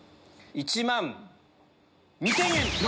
１万２０００円！